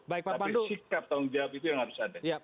tapi sikap tanggung jawab itu yang harus ada